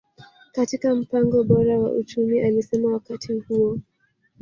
katika mpango bora wa uchumi alisema wakati huo